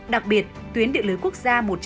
đặc biệt tuyến địa lưới quốc gia